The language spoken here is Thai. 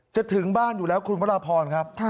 ถึงบ้านอยู่แล้วคุณพระราพรครับ